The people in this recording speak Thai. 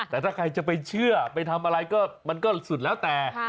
แต่ถ้าใครจะไปเชื่อไปทำอะไรก็มันก็สุดแล้วแต่